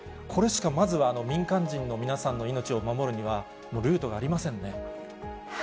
これしかまずは、民間人の皆さんの命を守るにはルートがありませんね。